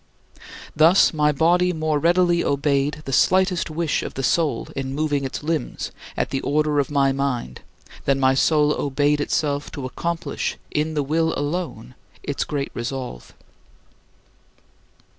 Thus my body more readily obeyed the slightest wish of the soul in moving its limbs at the order of my mind than my soul obeyed itself to accomplish in the will alone its great resolve.